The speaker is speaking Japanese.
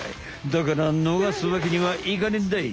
だからのがすわけにはいかねえんだい！